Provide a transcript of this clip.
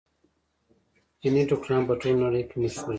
چیني ټوکران په ټوله نړۍ کې مشهور دي.